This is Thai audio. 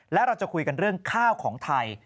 และเราจะคุยกันเรื่องข้าวของไทย